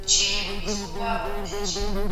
مجرم باید خپل جرم ومني.